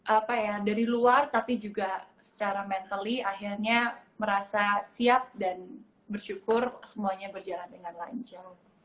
apa ya dari luar tapi juga secara mentally akhirnya merasa siap dan bersyukur semuanya berjalan dengan lancar